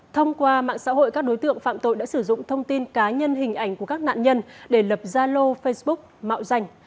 thông qua mạng xã hội các đối tượng phạm tội đã sử dụng thông tin cá nhân hình ảnh của các nạn nhân để lập gia lô facebook mạo danh